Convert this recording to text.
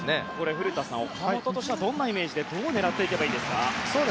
古田さん、岡本としてはどんなイメージでどう狙っていけばいいですか。